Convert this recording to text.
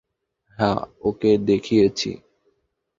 হ্যাঁ, ওকে দেখিয়েছি।